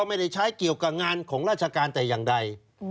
ไม่ได้ใช้เกี่ยวกับงานของราชการแต่อย่างใด